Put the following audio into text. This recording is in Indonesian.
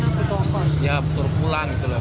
ya turun pulang gitu loh